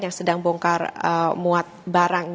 yang sedang bongkar muat barang